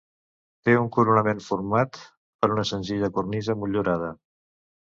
Té un coronament format per una senzilla cornisa motllurada.